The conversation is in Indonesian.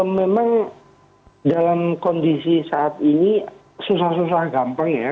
memang dalam kondisi saat ini susah susah gampang ya